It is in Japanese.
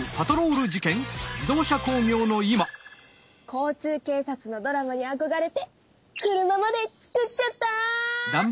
交通警察のドラマにあこがれて車まで作っちゃった。